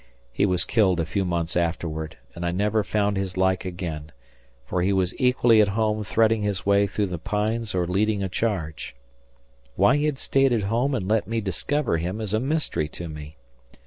He was killed a few months afterward, and I never found his like again, for he was equally at home threading his way through the pines or leading a charge. Why he had stayed at home and let me discover him is a mystery to me.